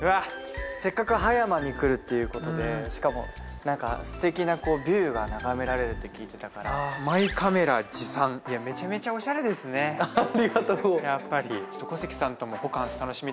せっかく葉山に来るっていうことでしかもすてきなビューが眺められるって聞いてたからめちゃめちゃおしゃれですねありがとう